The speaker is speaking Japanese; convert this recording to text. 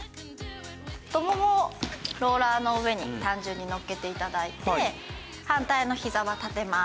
太ももをローラーの上に単純にのっけて頂いて反対のひざは立てます。